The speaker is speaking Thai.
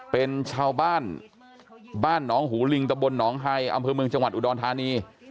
เป็นชาวบ้านบ้านหนองหูลิงตะบนหนองไฮอำเภอเมืองจังหวัดอุดรธานี